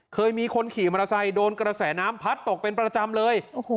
เคยมีคนขี่มอเตอร์ไซค์โดนกระแสน้ำพัดตกเป็นประจำเลย